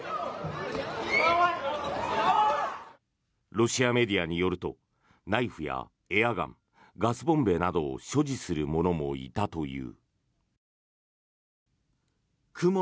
ロシアメディアによるとナイフやエアガンガスボンベなどを所持する者もいたという。